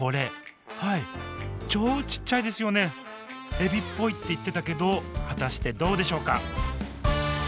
エビっぽいって言ってたけど果たしてどうでしょうか？